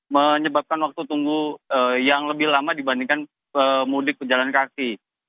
menyebabkan waktu tunggu yang lebih lama dibandingkan pemudik pejalan kaki